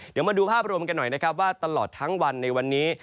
เดี๋ยวมาดูภาพรวมกันหน่อยนะครับว่าตลอดทั้งวันในวันนี้